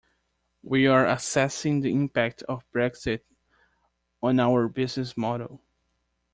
We are assessing the impact of Brexit on our business model.